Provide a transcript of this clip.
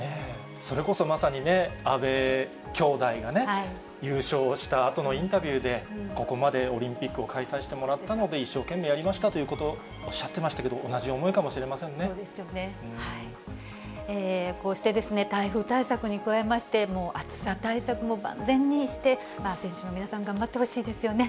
それこそまさにね、阿部兄妹がね、優勝したあとのインタビューで、ここまでオリンピックを開催してもらったので、一生懸命やりましたということをおっしゃってましたけれども、こうして台風対策に加えまして、暑さ対策も万全にして、選手の皆さん、頑張ってほしいですよね。